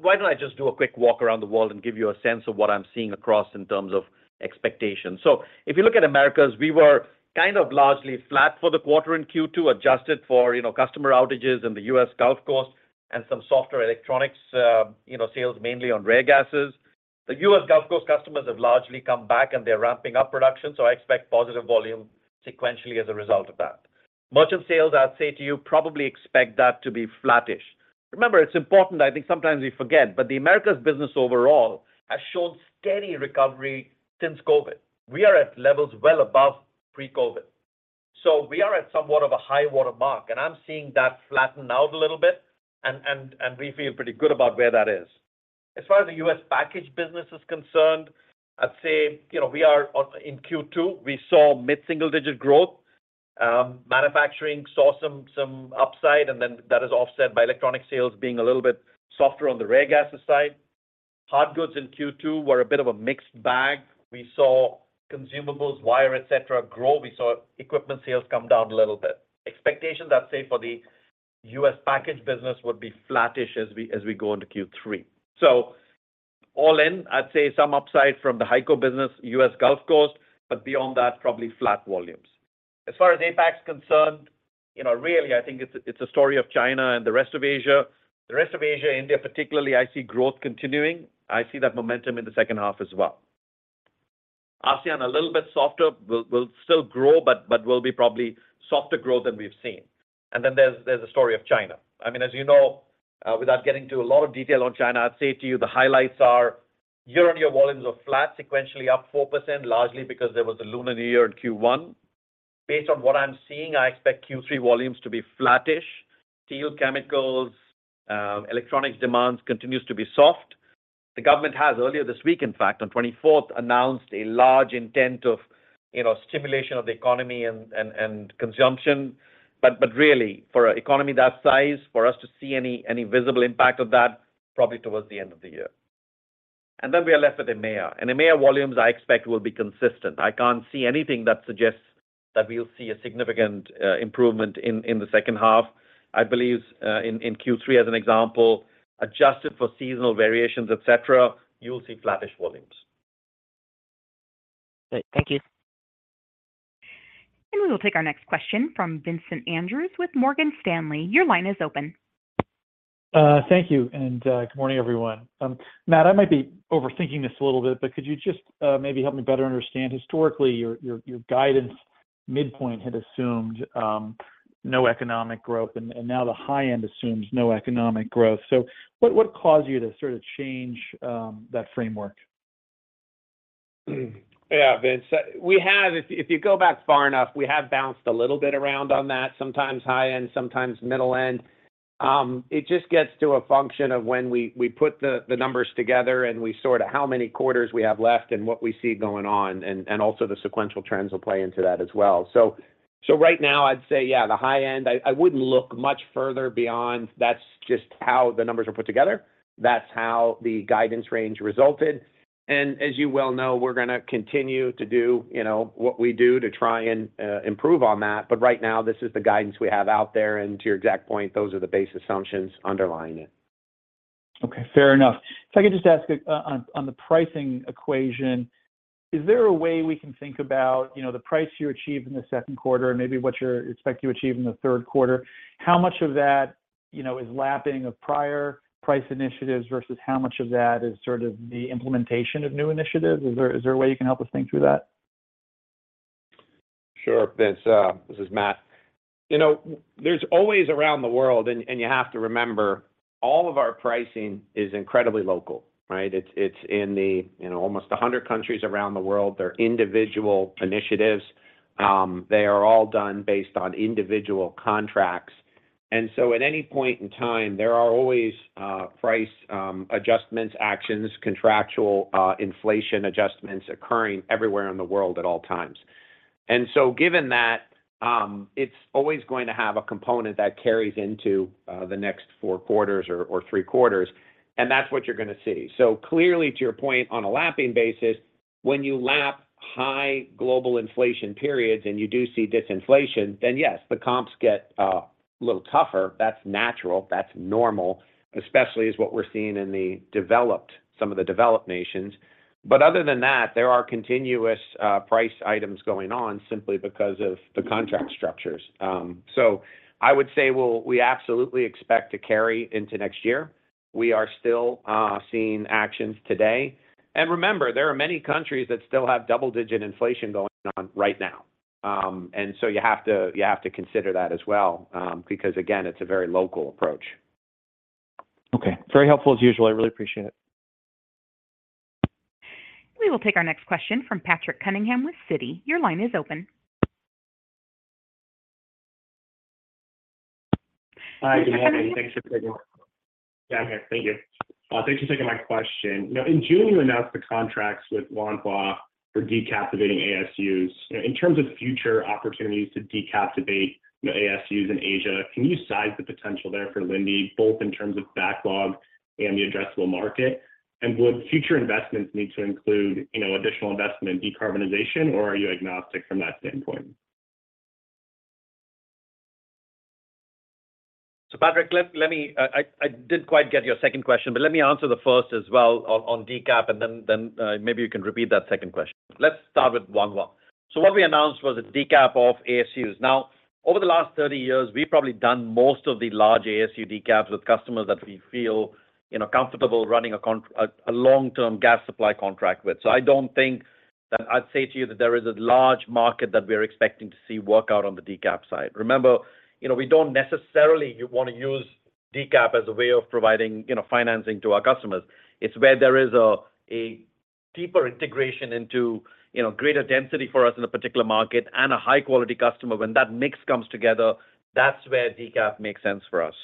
Why don't I just do a quick walk around the world and give you a sense of what I'm seeing across in terms of expectations? If you look at Americas, we were kind of largely flat for the quarter in Q2, adjusted for, you know, customer outages in the US Gulf Coast and some softer electronics, you know, sales mainly on rare gases. The US Gulf Coast customers have largely come back and they're ramping up production, so I expect positive volume sequentially as a result of that. Merchant sales, I'd say to you, probably expect that to be flattish. Remember, it's important, I think sometimes we forget, the Americas business overall has shown steady recovery since COVID. We are at levels well above pre-COVID. We are at somewhat of a high water mark, and I'm seeing that flatten out a little bit, and we feel pretty good about where that is. As far as the US package business is concerned, I'd say, you know, in Q2, we saw mid-single-digit growth. Manufacturing saw some, some upside, then that is offset by electronic sales being a little bit softer on the rare gases side. hardgoods in Q2 were a bit of a mixed bag. We saw consumables, wire, et cetera, grow. We saw equipment sales come down a little bit. Expectations, I'd say, for the U.S. packaged business would be flattish as we go into Q3. All in, I'd say some upside from the HyCO business, U.S. Gulf Coast, but beyond that, probably flat volumes. As far as APAC is concerned, you know, really, I think it's, it's a story of China and the rest of Asia. The rest of Asia, India particularly, I see growth continuing. I see that momentum in the second half as well. ASEAN, a little bit softer, will still grow, but will be probably softer growth than we've seen. There's the story of China. I mean, as you know, without getting into a lot of detail on China, I'd say to you the highlights are year-on-year volumes are flat, sequentially up 4%, largely because there was a Lunar New Year in Q1. Based on what I'm seeing, I expect Q3 volumes to be flattish. Steel, chemicals, electronics demands continues to be soft. The government has earlier this week, in fact, on 24th, announced a large intent of, you know, stimulation of the economy and consumption. Really, for an economy that size, for us to see any visible impact of that, probably towards the end of the year. We are left with EMEA. EMEA volumes I expect will be consistent. I can't see anything that suggests that we'll see a significant improvement in the second half. I believe, in, in Q3, as an example, adjusted for seasonal variations, et cetera, you will see flattish volumes. Great. Thank you. We will take our next question from Vincent Andrews with Morgan Stanley. Your line is open. Thank you, and good morning, everyone. Matt, I might be overthinking this a little bit, but could you just maybe help me better understand? Historically, your guidance midpoint had assumed no economic growth, and now the high end assumes no economic growth. What caused you to sort of change that framework? Yeah, Vince, if you go back far enough, we have bounced a little bit around on that, sometimes high end, sometimes middle end. It just gets to a function of when we put the numbers together and we sort of how many quarters we have left and what we see going on, and also the sequential trends will play into that as well. Right now, I'd say, yeah, the high end, I wouldn't look much further beyond. That's just how the numbers are put together. That's how the guidance range resulted, and as you well know, we're going to continue to do, you know, what we do to try and improve on that. Right now, this is the guidance we have out there, and to your exact point, those are the base assumptions underlying it. Okay, fair enough. If I could just ask on the pricing equation, is there a way we can think about, you know, the price you achieved in the second quarter and maybe what you're expect to achieve in the third quarter? How much of that, you know, is lapping of prior price initiatives versus how much of that is sort of the implementation of new initiatives? Is there a way you can help us think through that? Sure, Vince. This is Matt. You know, there's always around the world, and you have to remember, all of our pricing is incredibly local, right? It's, it's in the, you know, almost 100 countries around the world. They're individual initiatives. They are all done based on individual contracts. At any point in time, there are always price adjustments, actions, contractual inflation adjustments occurring everywhere in the world at all times. Given that, it's always going to have a component that carries into the next 4 quarters or 3 quarters, and that's what you're going to see. Clearly, to your point, on a lapping basis, when you lap high global inflation periods and you do see disinflation, then yes, the comps get a little tougher. That's natural, that's normal, especially as what we're seeing in the developed, some of the developed nations. Other than that, there are continuous price items going on simply because of the contract structures. I would say we absolutely expect to carry into next year. We are still seeing actions today. Remember, there are many countries that still have double-digit inflation going on right now. You have to consider that as well, because again, it's a very local approach. Okay. Very helpful as usual. I really appreciate it. We will take our next question from Patrick Cunningham with Citi. Your line is open. Hi, good morning. Thanks for taking. Yeah, I'm here. Thank you. Thank you for taking my question. Now, in June, you announced the contracts with Wanhua for decaptivating ASUs. In terms of future opportunities to decaptivate the ASUs in Asia, can you size the potential there for Linde, both in terms of backlog and the addressable market? Would future investments need to include, you know, additional investment in decarbonization, or are you agnostic from that standpoint? Patrick, let me, I didn't quite get your second question, but let me answer the first as well on decap, and then maybe you can repeat that second question. Let's start with Wanhua. What we announced was a DCAP of ASUs. Now, over the last 30 years, we've probably done most of the large ASU DCAPs with customers that we feel, you know, comfortable running a long-term gas supply contract with. I don't think that I'd say to you that there is a large market that we're expecting to see work out on the DCAP side. Remember, you know, we don't necessarily want to use DCAP as a way of providing, you know, financing to our customers. It's where there is a deeper integration into, you know, greater density for us in a particular market and a high-quality customer. When that mix comes together, that's where DCAP makes sense for us.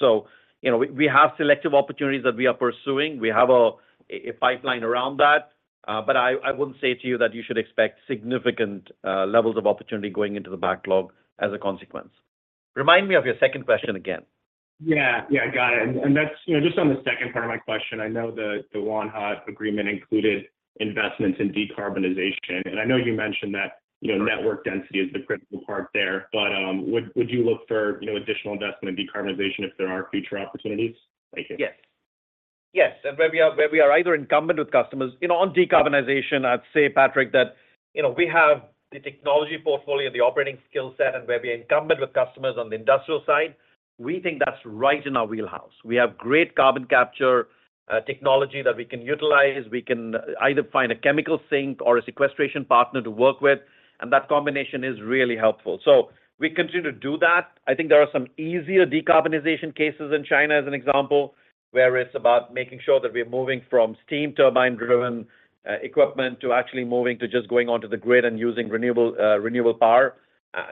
You know, we have selective opportunities that we are pursuing. We have a pipeline around that, but I wouldn't say to you that you should expect significant levels of opportunity going into the backlog as a consequence. Remind me of your second question again? Yeah. Yeah, got it. That's, you know, just on the second part of my question, I know the Wanhua agreement included investments in decarbonization, and I know you mentioned that, you know, network density is the critical part there. Would you look for, you know, additional investment in decarbonization if there are future opportunities? Thank you. Yes, where we are either incumbent with customers... You know, on decarbonization, I'd say, Patrick, that, you know, we have the technology portfolio, the operating skill set, where we are incumbent with customers on the industrial side, we think that's right in our wheelhouse. We have great carbon capture technology that we can utilize. We can either find a chemical sink or a sequestration partner to work with, that combination is really helpful. We continue to do that. I think there are some easier decarbonization cases in China, as an example, where it's about making sure that we're moving from steam turbine-driven equipment to actually moving to just going onto the grid and using renewable renewable power.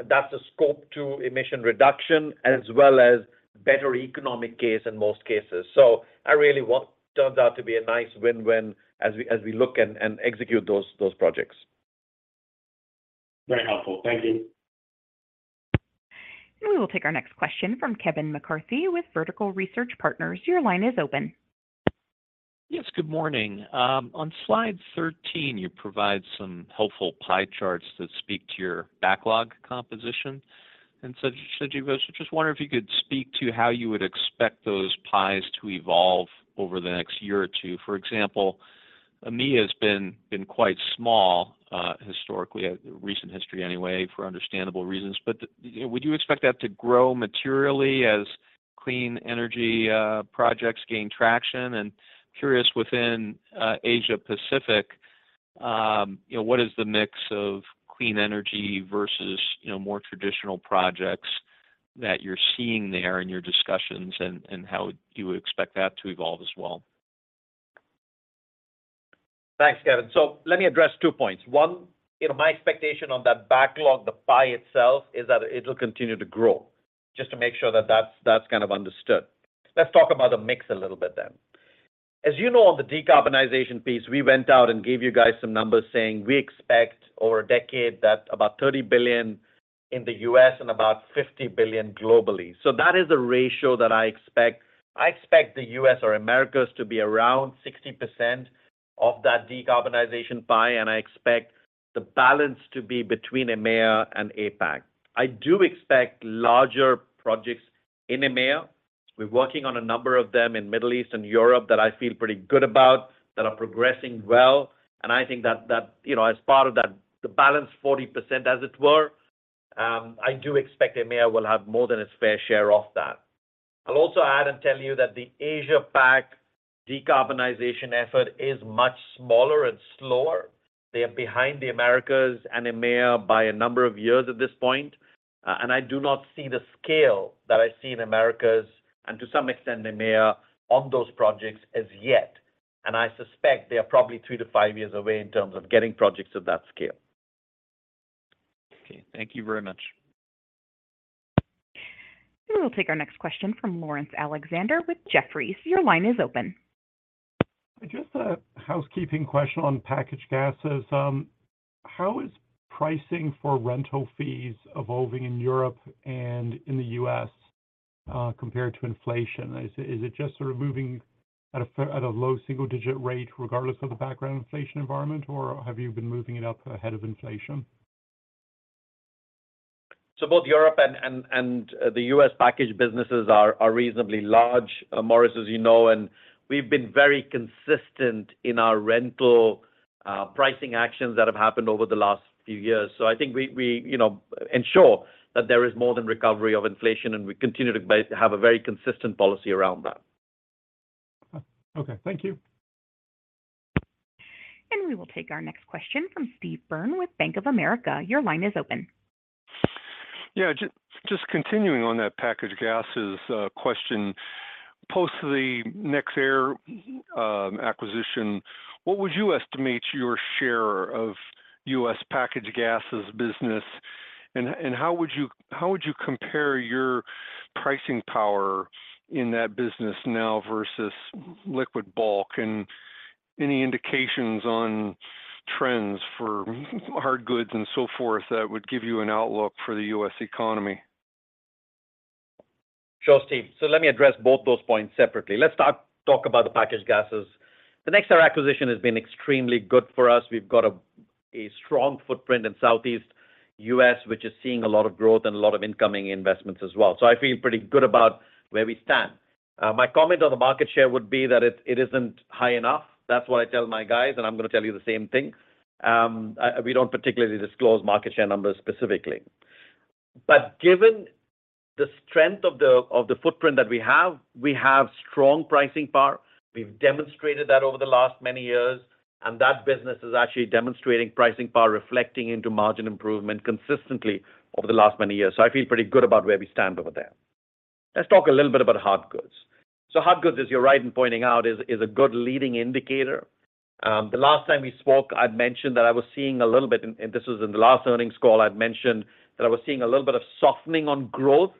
That's a Scope 2 emission reduction as well as better economic case in most cases. Turns out to be a nice win-win as we look and execute those projects. Very helpful. Thank you. We will take our next question from Kevin McCarthy with Vertical Research Partners. Your line is open. Yes, good morning. On slide 13, you provide some helpful pie charts that speak to your backlog composition. Sanjiv, I just wonder if you could speak to how you would expect those pies to evolve over the next year or two. For example, EMEA has been quite small historically, recent history anyway, for understandable reasons. Would you expect that to grow materially as clean energy projects gain traction? Curious within Asia Pacific, you know, what is the mix of clean energy versus, you know, more traditional projects that you're seeing there in your discussions, and how you would expect that to evolve as well? Thanks, Kevin. Let me address 2 points. One, you know, my expectation on that backlog, the pie itself, is that it'll continue to grow, just to make sure that that's, that's kind of understood. Let's talk about the mix a little bit then. As you know, on the decarbonization piece, we went out and gave you guys some numbers saying we expect over a decade that about $30 billion in the U.S. and about $50 billion globally. That is the ratio that I expect. I expect the U.S. or Americas to be around 60% of that decarbonization pie, and I expect the balance to be between EMEA and APAC. I do expect larger projects in EMEA. We're working on a number of them in Middle East and Europe that I feel pretty good about, that are progressing well. I think that, you know, as part of that, the balance, 40% as it were, I do expect EMEA will have more than its fair share of that. I'll also add and tell you that the APAC decarbonization effort is much smaller and slower. They are behind the Americas and EMEA by a number of years at this point, and I do not see the scale that I see in Americas, and to some extent, EMEA on those projects as yet. I suspect they are probably 3-5 years away in terms of getting projects of that scale. Okay. Thank you very much. We will take our next question from Laurence Alexander with Jefferies. Your line is open. Just a housekeeping question on packaged gases. How is pricing for rental fees evolving in Europe and in the U.S. compared to inflation? Is it just sort of moving at a low single-digit rate regardless of the background inflation environment, or have you been moving it up ahead of inflation? Both Europe and the U.S. packaged businesses are reasonably large, Laurence, as you know, and we've been very consistent in our rental pricing actions that have happened over the last few years. I think we, you know, ensure that there is more than recovery of inflation, and we continue to have a very consistent policy around that. Okay. Thank you. We will take our next question from Steve Byrne with Bank of America. Your line is open. Yeah, just continuing on that packaged gases question. Post the nexAir acquisition, what would you estimate your share of U.S. packaged gases business, and how would you compare your pricing power in that business now versus liquid bulk? Any indications on trends for hardgoods and so forth that would give you an outlook for the U.S. economy? Sure, Steve. Let me address both those points separately. Let's talk about the packaged gases. The nexAir acquisition has been extremely good for us. We've got a strong footprint in Southeast US, which is seeing a lot of growth and a lot of incoming investments as well. I feel pretty good about where we stand. My comment on the market share would be that it isn't high enough. That's what I tell my guys, and I'm gonna tell you the same thing. We don't particularly disclose market share numbers specifically. Given the strength of the footprint that we have, we have strong pricing power. We've demonstrated that over the last many years, and that business is actually demonstrating pricing power, reflecting into margin improvement consistently over the last many years. I feel pretty good about where we stand over there. Let's talk a little bit about hard goods. Hard goods, as you're right in pointing out, is a good leading indicator. The last time we spoke, I'd mentioned that I was seeing a little bit, and this was in the last earnings call, I'd mentioned that I was seeing a little bit of softening on growth.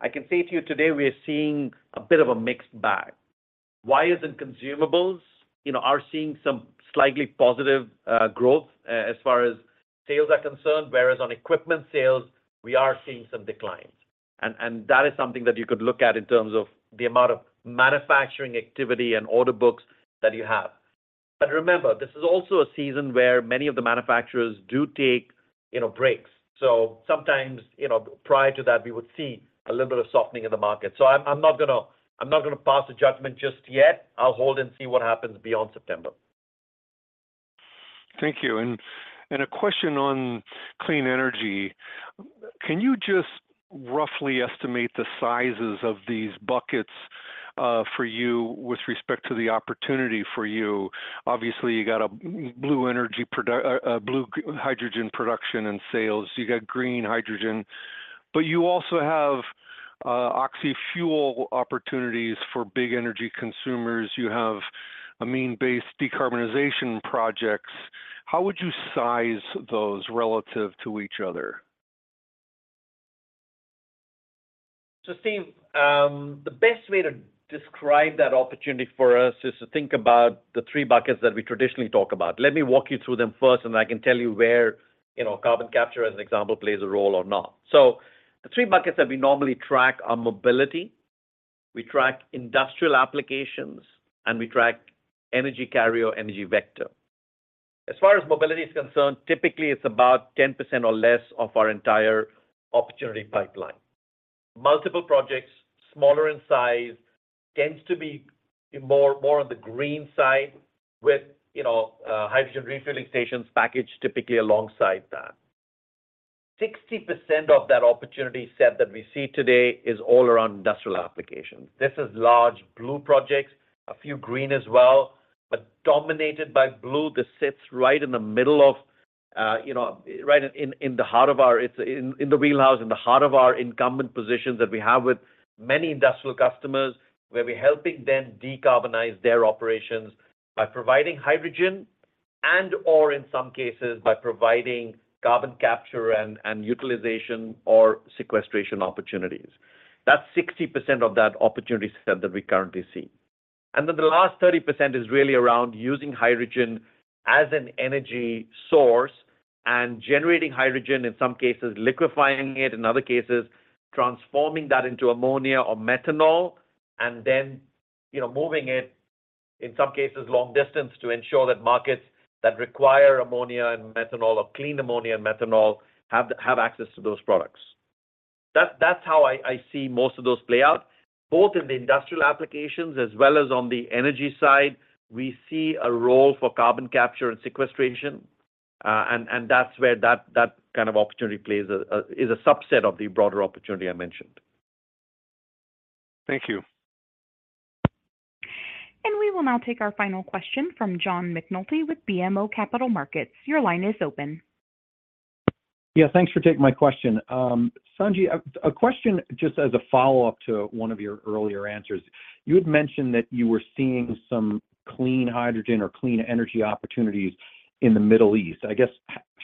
I can say to you today, we are seeing a bit of a mixed bag. Why is it consumables? You know, are seeing some slightly positive growth, as far as sales are concerned, whereas on equipment sales, we are seeing some declines. That is something that you could look at in terms of the amount of manufacturing activity and order books that you have. Remember, this is also a season where many of the manufacturers do take, you know, breaks. Sometimes, you know, prior to that, we would see a little bit of softening in the market. I'm not gonna, I'm not gonna pass a judgment just yet. I'll hold and see what happens beyond September. Thank you. A question on clean energy. Can you just roughly estimate the sizes of these buckets for you with respect to the opportunity for you? Obviously, you got a blue hydrogen production and sales, you got green hydrogen, you also have oxyfuel opportunities for big energy consumers. You have amine-based decarbonization projects. How would you size those relative to each other? Steve, the best way to describe that opportunity for us is to think about the 3 buckets that we traditionally talk about. Let me walk you through them first, and I can tell you where, you know, carbon capture, as an example, plays a role or not. The 3 buckets that we normally track are mobility, we track industrial applications, and we track energy carrier, energy vector. As far as mobility is concerned, typically it's about 10% or less of our entire opportunity pipeline. Multiple projects, smaller in size, tends to be more on the green side with, you know, hydrogen refueling stations packaged typically alongside that. 60% of that opportunity set that we see today is all around industrial applications. This is large blue projects, a few green as well, but dominated by blue. This sits right in the middle of, you know, right in the heart of our, it's in the wheelhouse, in the heart of our incumbent positions that we have with many industrial customers, where we're helping them decarbonize their operations by providing hydrogen and, or in some cases, by providing carbon capture and utilization or sequestration opportunities. That's 60% of that opportunity set that we currently see. The last 30% is really around using hydrogen as an energy source and generating hydrogen, in some cases, liquefying it, in other cases, transforming that into ammonia or methanol, and then, you know, moving it, in some cases, long distance to ensure that markets that require ammonia and methanol or clean ammonia and methanol, have access to those products. That's, that's how I, I see most of those play out. Both in the industrial applications as well as on the energy side, we see a role for carbon capture and sequestration, and that's where that kind of opportunity plays a is a subset of the broader opportunity I mentioned. Thank you. We will now take our final question from John McNulty with BMO Capital Markets. Your line is open. Yeah, thanks for taking my question. Sanjiv, a question just as a follow-up to one of your earlier answers. You had mentioned that you were seeing some clean hydrogen or clean energy opportunities in the Middle East. I guess,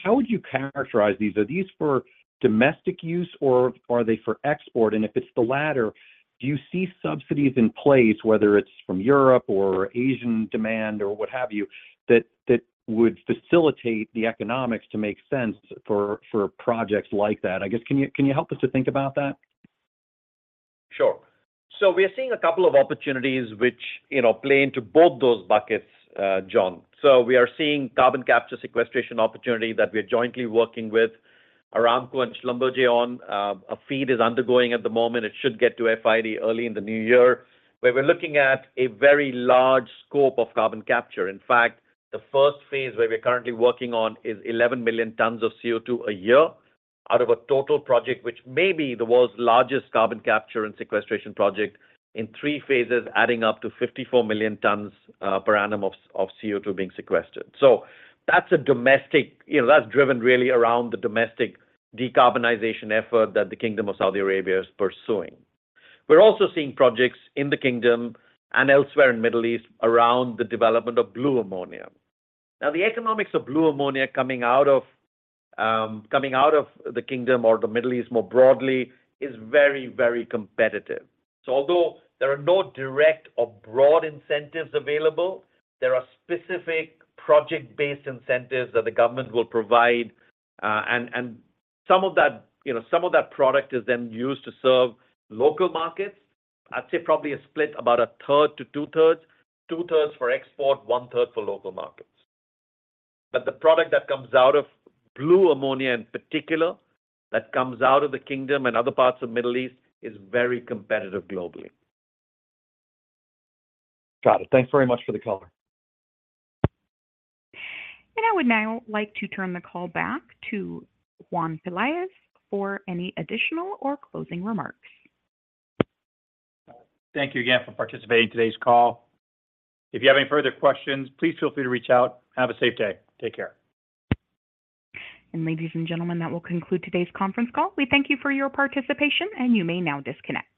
how would you characterize these? Are these for domestic use or are they for export? If it's the latter, do you see subsidies in place, whether it's from Europe or Asian demand or what have you, that would facilitate the economics to make sense for projects like that? I guess, can you help us to think about that? Sure. We are seeing a couple of opportunities which, you know, play into both those buckets, John. We are seeing carbon capture sequestration opportunity that we are jointly working with Aramco and Schlumberger on. A FEED is undergoing at the moment. It should get to FID early in the new year, where we're looking at a very large scope of carbon capture. In fact, the first phase where we're currently working on is 11 million tons of CO2 a year, out of a total project, which may be the world's largest carbon capture and sequestration project in three phases, adding up to 54 million tons per annum of CO2 being sequestered. That's a domestic, you know, that's driven really around the domestic decarbonization effort that the Kingdom of Saudi Arabia is pursuing. We're also seeing projects in the kingdom and elsewhere in Middle East around the development of blue ammonia. The economics of blue ammonia coming out of the kingdom or the Middle East more broadly, is very, very competitive. Although there are no direct or broad incentives available, there are specific project-based incentives that the government will provide, and some of that, you know, some of that product is then used to serve local markets. I'd say probably a split, about a third to two-thirds. Two-thirds for export, one-third for local markets. The product that comes out of blue ammonia, in particular, that comes out of the kingdom and other parts of Middle East, is very competitive globally. Got it. Thank you very much for the color. I would now like to turn the call back to Juan Pelaez for any additional or closing remarks. Thank you again for participating in today's call. If you have any further questions, please feel free to reach out. Have a safe day. Take care. Ladies and gentlemen, that will conclude today's conference call. We thank you for your participation, and you may now disconnect.